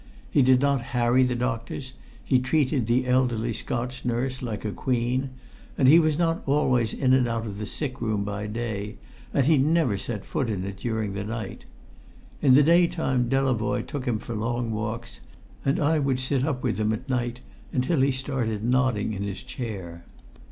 He did not harry the doctors; he treated the elderly Scotch nurse like a queen; he was not always in and out of the sick room by day, and he never set foot in it during the night. In the daytime Delavoye took him for long walks, and I would sit up with him at night until he started nodding in his chair.